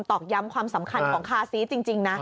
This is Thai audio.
อกย้ำความสำคัญของคาซีสจริงนะ